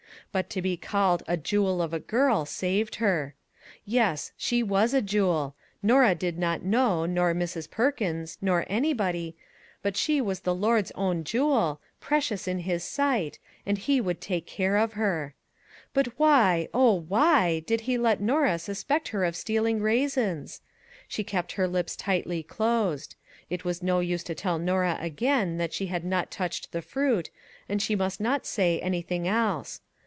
But to be called a " jewel of a girl " saved her. Yes, she was a jewel; Norah did not know, nor Mrs. Perkins, nor anybody, but 76 " RAISINS " she was the Lord's own jewel/ precious in his sight, and he would take care of her. But, why, oh, why, did he let Norah suspect her of steal ing raisins? She kept her lips tightly closed. It was no use to tell Norah again that she had not touched the fruit, and she must not say anything else.